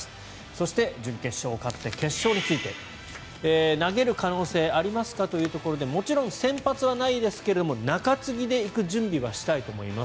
そして、準決勝勝って決勝について投げる可能性ありますかというところでもちろん先発はないですが中継ぎで行く準備はしたいと思います